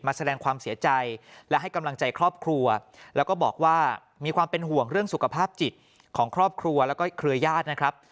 แสดงความเสียใจและให้กำลังใจครอบครัวแล้วก็บอกว่ามีความเป็นห่วงเรื่องสุขภาพจิตของครอบครัวแล้วก็เครือญาตินะครับ